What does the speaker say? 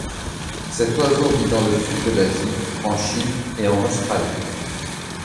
Cet oiseau vit dans le sud de l'Asie, en Chine et en Australie.